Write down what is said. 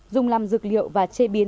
dung lăm dược liệu và chế biến